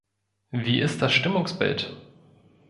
Wie ist da das Stimmungsbild?